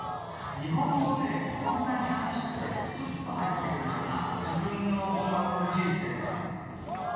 日本語でこんなに優しくてスッと入って来るような自分の。